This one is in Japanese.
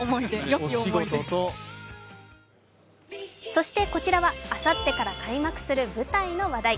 そしてこちらはあさってから開幕する舞台の話題。